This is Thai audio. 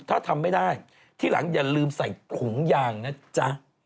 ถ้าทำไม่ได้ที่หลังอย่าลืมใส่ถุงยางนะจ๊ะ